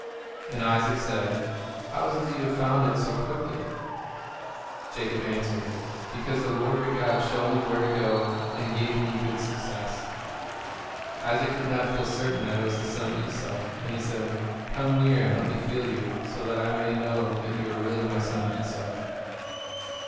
And Isaac said, "How is it that you found it so quickly?" Jacob answered, "Because the Lord your God showed me where to go and gave me good success." Isaac did not feel certain that it was his son Esau, and he said, "Come near and let me feel you, so that I may know that you are really my son Esau."